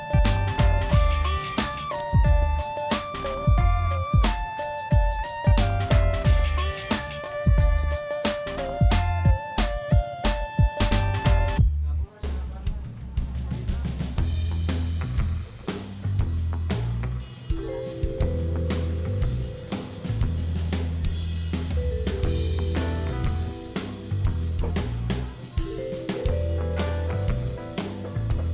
udah saya ngerasa bosen